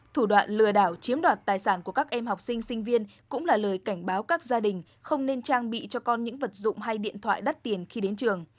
thủ đoạn lừa đảo chiếm đoạt tài sản của các em học sinh sinh viên cũng là lời cảnh báo các gia đình không nên trang bị cho con những vật dụng hay điện thoại đắt tiền khi đến trường